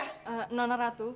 ehm nona ratu